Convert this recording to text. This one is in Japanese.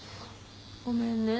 ごめんね。